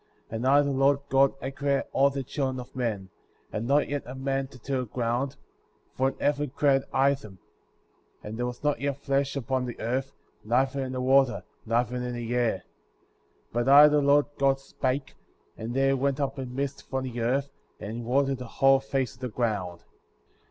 And I, the Lord God, had created all the children of men; and not yet a man to till the ground; for in heaven created I them; and there was not yet flesh upon the earth, neither in the water, neither in the air; 6. But I, the Lord God, spake, and there went up a mist from the earth, and watered the whole face of the ground.